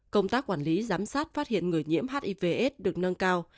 công tác quản lý giám sát phát hiện người nhiễm hiv s được nâng cao